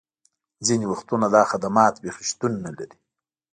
ځینې وختونه دا خدمات بیخي شتون نه لري